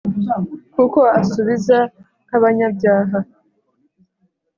kuko asubiza nk’abanyabyaha